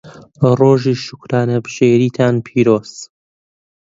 ڕۆژی شوکرانەبژێریتان پیرۆز.